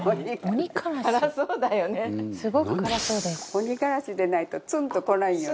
鬼からしでないとツンとこないんよね。